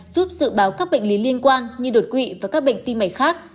giúp dự báo các bệnh lý liên quan như đột quỵ và các bệnh tim mạch khác